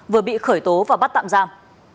vừa bị khởi tố và bắt tạm giam